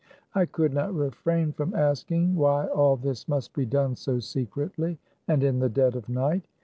I could not refrain from asking why all this must be done so secretly and in the dead of night